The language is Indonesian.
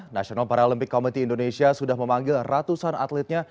national paralympic committee indonesia sudah memanggil ratusan atletnya